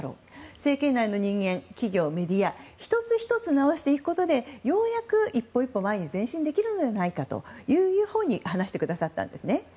政権内の人間、企業、メディア１つ１つ直していくことでようやく一歩一歩前に前進できるのではないかと話してくださったんです。